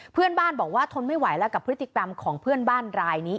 เพื่อนบ้านบอกว่าทนไม่ไหวแล้วกับพฤติกรรมของเพื่อนบ้านรายนี้